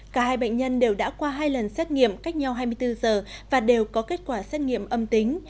cả hai bệnh nhân đều đã qua hai lần xét nghiệm cách nhau hai mươi bốn giờ và đều có kết quả xét nghiệm âm tính